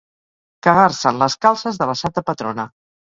Cagar-se en les calces de la santa patrona.